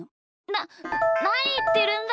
ななにいってるんだよ！